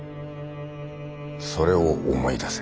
それを思い出せ。